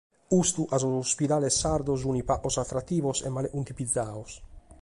Custu ca sos ispidales sardos sunt pagos atrativos e male contivigiados.